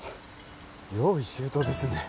用意周到ですね